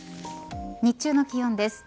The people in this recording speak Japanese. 日中の気温です。